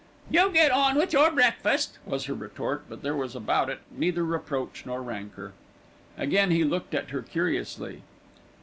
"You get on with your breakfast," was her retort; but there was about it neither reproach nor rancour. Again he looked at her curiously.